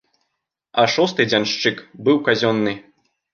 А шосты дзяншчык быў казённы.